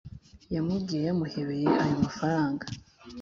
yamubwiye yamuhebeye ayo mafaranga